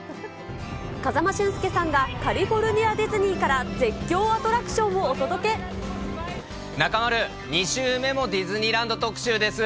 風間俊介さんがカリフォルニアディズニーから絶叫アトラクシ中丸、２週目もディズニーランド特集です。